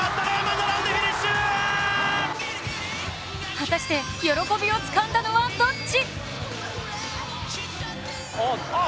果たして喜びをつかんだのはどっち？